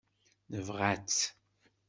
Nebɣa-tt.